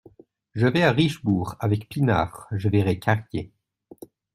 Je vais à Richebourg avec Pinard, je verrai Carrier.